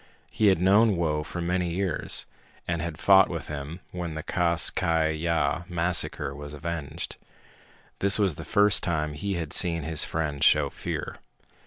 He had known Whoa for many years, and had fought with him when the Kas Kai Ya massacre was avenged. This was the first time he had seen his friend show fear.